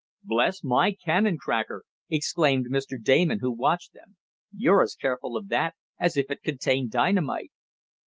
"Bless my cannon cracker!" exclaimed Mr. Damon who watched them. "You're as careful of that as if it contained dynamite."